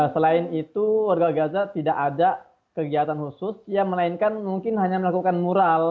selain itu warga gaza tidak ada kegiatan khusus ya melainkan mungkin hanya melakukan mural